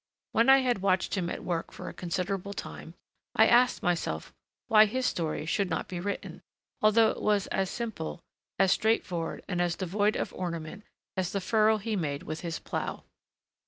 When I had watched him at work for a considerable time, I asked myself why his story should not be written, although it was as simple, as straightforward, and as devoid of ornament as the furrow he made with his plough.